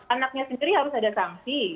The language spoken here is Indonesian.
anaknya sendiri harus ada sanksi